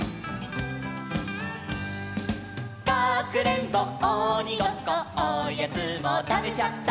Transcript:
「かくれんぼ鬼ごっこおやつも食べちゃった」